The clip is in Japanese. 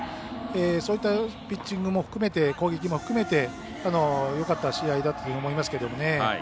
そういったピッチングも含めて攻撃も含めてよかった試合だったというふうに思いますけどね。